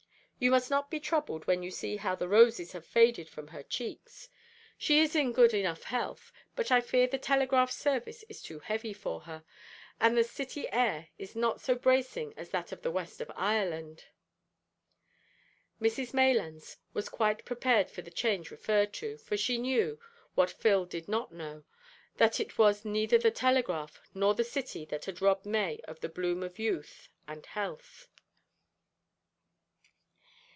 You must not be troubled when you see how the roses have faded from her cheeks. She is in good enough health, but I fear the telegraph service is too heavy for her, and the City air is not so bracing as that of the west of Ireland." Mrs Maylands was quite prepared for the change referred to, for she knew, what Phil did not know, that it was neither the telegraph nor the City that had robbed May of the bloom of youth and health.